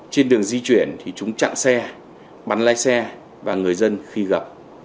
trên đường di chuyển thì chúng chặn xe bắn lái xe và người dân khi gặp